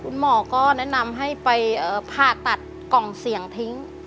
คุณหมอก็แนะนำให้ไปผ่าตัดกล่องเสี่ยงทิ้ง